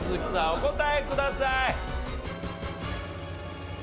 お答えください。